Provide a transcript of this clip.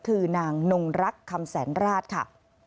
คือนางนงรักคำแสนราชค่ะ